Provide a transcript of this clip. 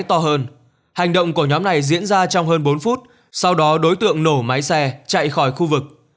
to hơn hành động của nhóm này diễn ra trong hơn bốn phút sau đó đối tượng nổ máy xe chạy khỏi khu vực